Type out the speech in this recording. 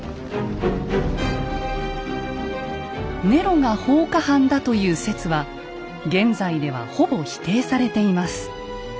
ネロが放火犯だという説は現在ではほぼ否定されています。